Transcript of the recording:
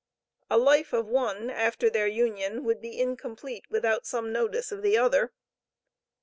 A life of one after their union, would be incomplete without some notice of the other.